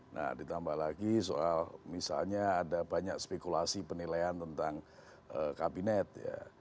nah ditambah lagi soal misalnya ada banyak spekulasi penilaian tentang kabinet ya